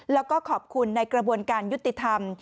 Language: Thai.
แล้วก็ขอบคุณในกระบวนการยุติธรรม